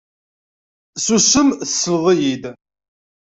Susem tesleḍ-iyi-d.